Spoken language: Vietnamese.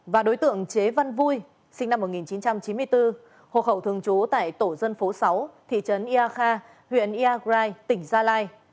và đối tượng chế văn vui sinh năm một nghìn chín trăm chín mươi bốn hộ khẩu thường trú tại tổ dân phố sáu thị trấn ia kha huyện iagrai tỉnh gia lai